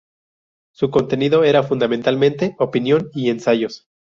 Su contenido era fundamentalmente opinión y ensayos.